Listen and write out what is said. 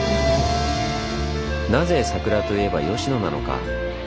なぜ桜といえば吉野なのか？